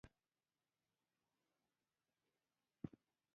ښاغلي ربیټ فکر وکړ چې هغه زما په بچیانو خبر دی